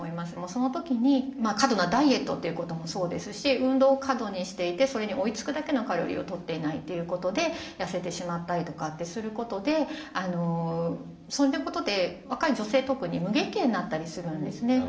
そのときに過度なダイエットっていうこともそうですし運動を過度にしていてそれに追いつくだけのカロリーをとっていないということで痩せてしまったりとかってすることでそういうことで若い女性特に無月経になったりするんですね。